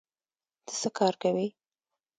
ته څه کار کوې؟